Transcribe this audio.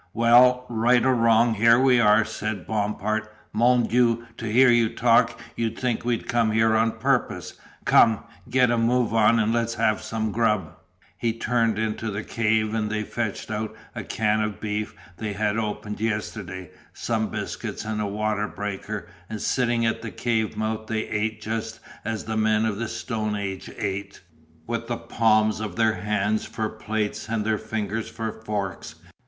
"Well, right or wrong, here we are," said Bompard "Mon Dieu! to hear you talk you'd think we'd come here on purpose come, get a move on and let's have some grub." He turned into the cave and they fetched out the can of beef they had opened yesterday, some biscuits, and a water breaker, and sitting at the cave mouth they ate just as the men of the Stone Age ate, with the palms of their hands for plates and their fingers for forks.